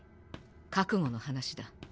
覚悟の話だ。